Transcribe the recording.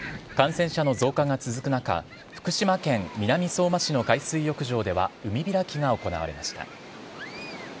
感染者の増加が続く中、福島県南相馬市の海水浴場では、海開きが行われました。